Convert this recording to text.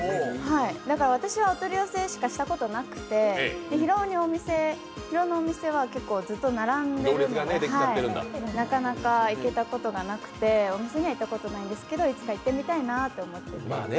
私はお取り寄せしかしたことがなくて広尾のお店はずっと並んで、なかなか行けたことがなくて、お店には行ったことがないんですけどいつか行ってみたいなって思っています。